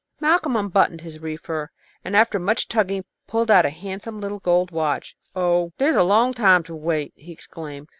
Malcolm unbuttoned his reefer, and, after much tugging, pulled out a handsome little gold watch. "Oh, there's a long time to wait!" he exclaimed.